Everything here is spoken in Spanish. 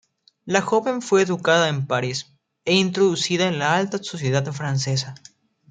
La joven fue educada en París e introducida en la alta sociedad francesa.